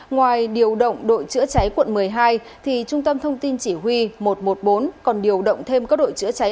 ngoài điều động đội chữa cháy quận một mươi hai trung tâm thông tin chỉ huy một trăm một mươi bốn còn điều động thêm các đội chữa cháy